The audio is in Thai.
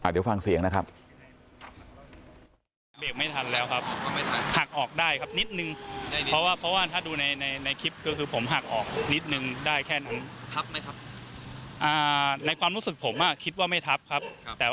เดี๋ยวฟังเสียงนะครับ